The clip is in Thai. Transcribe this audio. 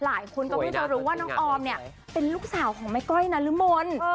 หลายคนก็เพิ่งจะรู้ว่าน้องออมเนี่ยเป็นลูกสาวของแม่ก้อยนารมน